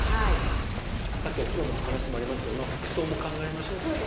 さっきお風呂の話もありましたが服装も考えましょうという。